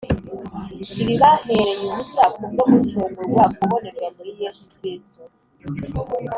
ibibahereye ubusa, kubwo gucungurwa kubonerwa muri Yesu Kristo